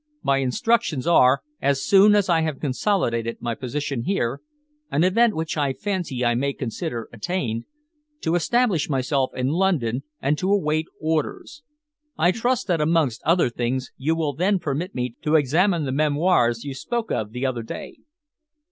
"My instructions are, as soon as I have consolidated my position here an event which I fancy I may consider attained to establish myself in London and to await orders. I trust that amongst other things you will then permit me to examine the memoirs you spoke of the other day."